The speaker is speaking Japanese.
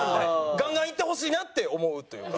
ガンガンいってほしいなって思うというか。